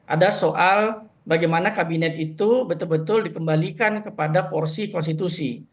ada soal bagaimana kabinet itu betul betul dikembalikan kepada porsi konstitusi